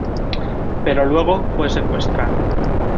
Pero luego fue secuestrado.